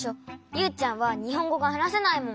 ユウちゃんはにほんごがはなせないもん。